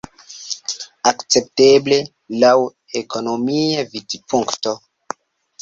Akcepteble, laŭ ekonomia vidpunkto.